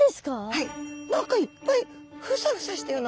はい。